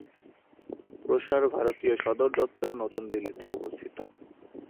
প্রসার ভারতীর সদর দপ্তর নতুন দিল্লিতে অবস্থিত।